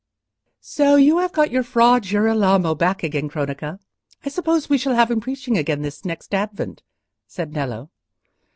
"So you have got your Fra Girolamo back again, Cronaca? I suppose we shall have him preaching again this next Advent," said Nello.